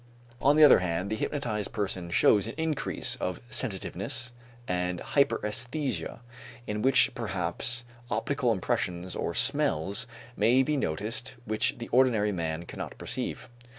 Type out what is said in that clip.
On the other hand, the hypnotized person shows an increase of sensitiveness and hyperæsthesia in which perhaps optical impressions or smells may be noticed which the ordinary man cannot perceive.